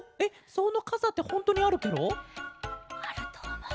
そのかさってほんとうにあるケロ？あるとおもう。